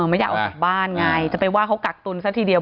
ไม่อยากออกจากบ้านไงจะไปว่าเขากักตุนซะทีเดียว